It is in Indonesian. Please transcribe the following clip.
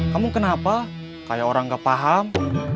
kamu kenapa kayak orang gak paham